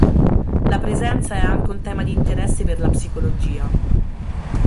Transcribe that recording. La presenza è anche un tema di interesse per la psicologia.